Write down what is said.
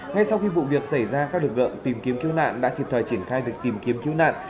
ngay sau khi vụ việc xảy ra các lực lượng tìm kiếm cứu nạn đã kịp thời triển khai việc tìm kiếm cứu nạn